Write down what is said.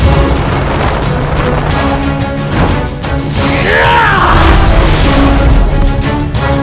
apakah yang bisa dilakukan